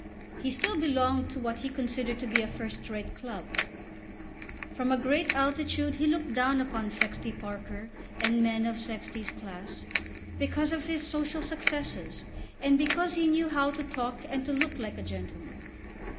He still belonged to what he considered to be a first rate club. From a great altitude he looked down upon Sexty Parker and men of Sexty's class, because of his social successes, and because he knew how to talk and to look like a gentleman.